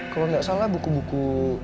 kalau nggak salah buku buku